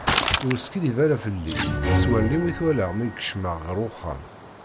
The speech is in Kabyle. Ur skiddib ara felli, s wallen-iw i t-walaɣ mi yekcem ɣer uxxam.